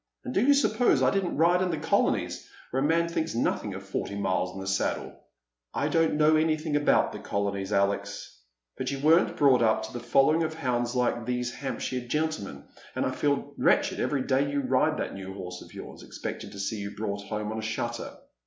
And do you suppose I didn't ride in the colonies, where a man thinks nothing of forty miles in the saddle ?" "I don't know anything about the colonies, Alex, but you weren't brought up to following the hounds like these Hamp shire gentlemen, and I feel wretched every day you ride that new horse of yours, expecting to see you brought home on a shutter."